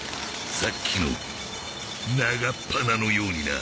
さっきの長っ鼻のようにな。